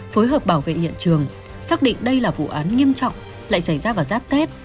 phối hợp bảo vệ hiện trường xác định đây là vụ án nghiêm trọng lại xảy ra vào giáp tết